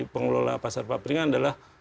pengelola pasar paperingan adalah